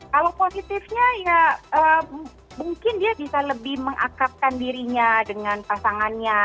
kalau positifnya ya mungkin dia bisa lebih mengakapkan dirinya dengan pasangannya